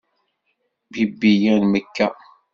Bibb-iyi ar mekka.